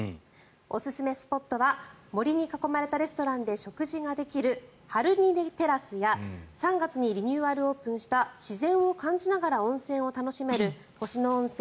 おすすめスポットは森に囲まれたレストランで食事ができるハルニレテラスや３月にリニューアルオープンした自然を感じながら温泉を楽しめる星野温泉